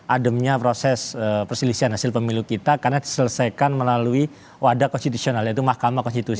ademnya proses perselisihan hasil pemilu kita karena diselesaikan melalui wadah konstitusional yaitu mahkamah konstitusi